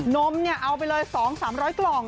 นมเอาไปเลย๒๓๐๐กล่อง